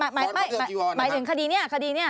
หมายถึงคดีนี้คดีนี้